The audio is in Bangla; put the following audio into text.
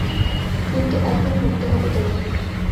কিন্তু এখন মরতে হবে তোমাকে।